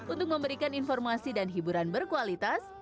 untuk memberikan informasi dan hiburan berkualitas